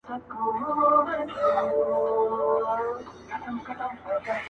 دا د کهف د اصحابو د سپي خپل دی,